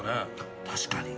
確かに。